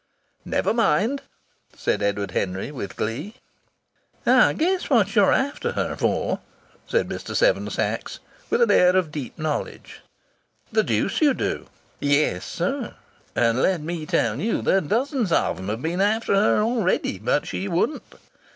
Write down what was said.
"Never mind!" said Edward Henry with glee. "I guess what you're after her for," said Mr. Seven Sachs, with an air of deep knowledge. "The deuce you do!" "Yes, sir! And let me tell you that dozens of 'em have been after her already. But she wouldn't!